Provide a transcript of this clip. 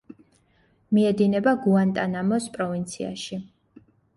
მიედინება გუანტანამოს პროვინციაში.